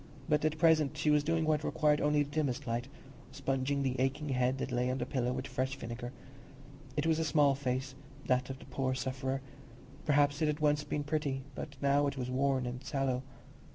But at present she was doing what required only the dimmest light—sponging the aching head that lay on the pillow with fresh vinegar. It was a small face, that of the poor sufferer; perhaps it had once been pretty, but now it was worn and sallow.